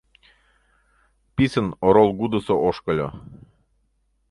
Писын оролгудысо ошкыльо.